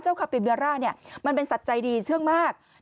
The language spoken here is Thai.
เจ้าคาปิบาร่ามันเป็นสัตว์ใจดีเชื่อมมาก